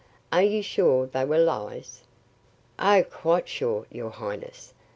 "Are you sure they were lies?" "Oh, quite sure, your highness.